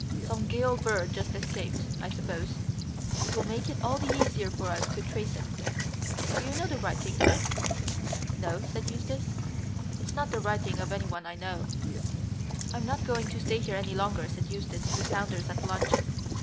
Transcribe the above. Some gaol bird just escaped, I suppose. It will make it all the easier for us to trace him. Do you know the writing, sir?" "No," said Eustace; "it's not the writing of anyone I know." "I'm not going to stay here any longer," said Eustace to Saunders at luncheon.